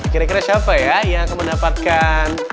kira kira siapa ya yang akan mendapatkan